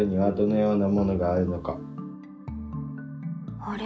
あれ？